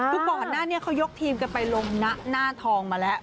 คือก่อนหน้านี้เขายกทีมกันไปลงหน้าทองมาแล้ว